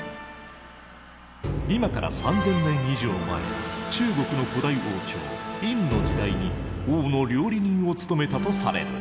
今から３，０００年以上前中国の古代王朝殷の時代に王の料理人を務めたとされる。